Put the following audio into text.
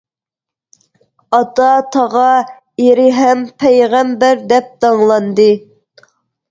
ئاتا، تاغا ئېرى ھەم، پەيغەمبەر دەپ داڭلاندى.